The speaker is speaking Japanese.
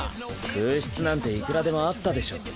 空室なんていくらでもあったでしょ。